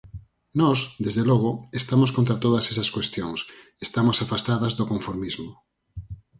Nós, desde logo, estamos contra todas esas cuestións, estamos afastadas do conformismo.